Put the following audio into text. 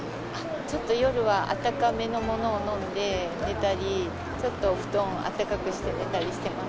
ちょっと夜はあったかめのものを飲んで寝たり、ちょっとお布団をあたたかくして寝てます。